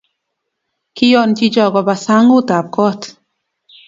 kion chicho koba sang'utab koot.